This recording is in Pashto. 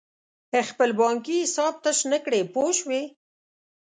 خپل بانکي حساب تش نه کړې پوه شوې!.